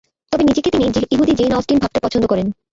তবে নিজেকে তিনি ইহুদি জেইন অস্টিন ভাবতে পছন্দ করেন।